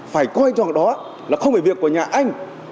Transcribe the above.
phải coi cho họ đó là không phải việc của nhà anh